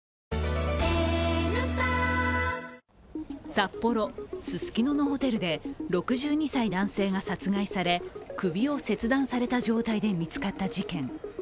札幌・ススキノのホテルで６２歳男性が殺害され首を切断された状態で見つかった事件。